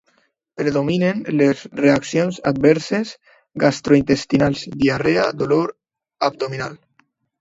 Predominen les reaccions adverses gastrointestinals: diarrea, dolor abdominal.